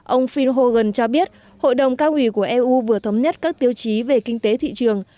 ông fil hogan cho biết hội đồng cao ủy của eu vừa thống nhất các tiêu chí về kinh tế thị trường